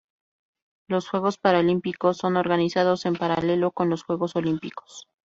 Los Juegos Paralímpicos son organizados en paralelo con los Juegos Olímpicos.